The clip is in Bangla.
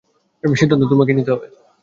সিদ্ধান্ত তোমাকেই নিতে হবে।